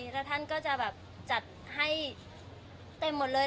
แล้วท่านก็จะแบบจัดให้เต็มหมดเลย